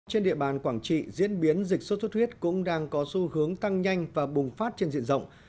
trên địa bàn quảng trị diễn biến dịch sốt xuất huyết cũng đang có xu hướng tăng nhanh và bùng phát trên diện rộng